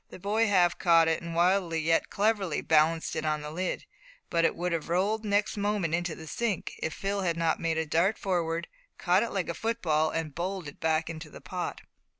The boy half caught it, and wildly yet cleverly balanced it on the lid, but it would have rolled next moment into the sink, if Phil had not made a dart forward, caught it like a football, and bowled it back into the pot.